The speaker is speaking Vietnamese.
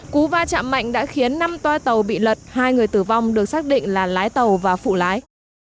cú va chạm mạnh đã khiến năm toa tàu bị lật hai người tử vong được xác định là lái tàu và phụ lái